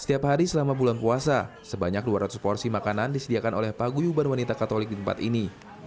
setiap hari selama bulan puasa sebanyak dua ratus porsi makanan disediakan oleh paguyuban wanita katolik di tempat ini